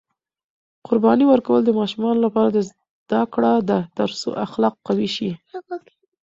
قرباني ورکول د ماشومانو لپاره زده کړه ده ترڅو اخلاق قوي شي.